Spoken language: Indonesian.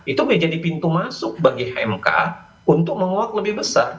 itu menjadi pintu masuk bagi mk untuk menguak lebih besar